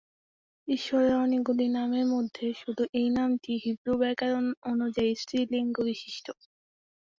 ঈশ্বরের অনেকগুলো নামের মধ্যে শুধু এই নামটি হিব্রু ব্যাকরণ অনুযায়ী স্ত্রী-লিঙ্গ বিশিষ্ট।